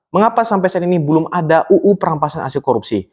mengapa sampai saat ini belum ada uu perampasan aset korupsi